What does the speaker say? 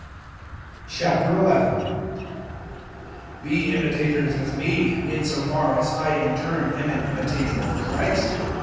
011:001 Be imitators of me, in so far as I in turn am an imitator of Christ.